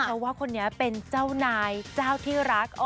เพราะว่าคนนี้เป็นเจ้านายเจ้าที่รัก